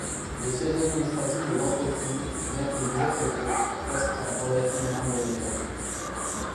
Le siège administratif de l'entreprise, bien que désaffecté, reste en relativement bon état.